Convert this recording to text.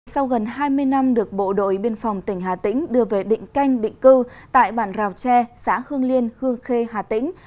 sau gần hai mươi năm được bộ đội biên phòng tỉnh hà tĩnh đưa về định canh định cư tại bản rào tre xã hương liên hương khê hà tĩnh